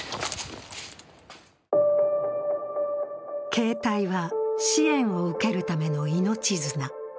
携帯は支援を受けるための命綱。